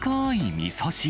みそ汁。